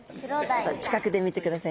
近くで見てくださいね。